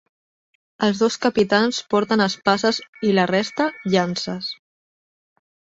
Els dos capitans porten espases i la resta llances.